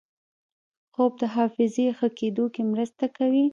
خوب د حافظې ښه کېدو کې مرسته کوي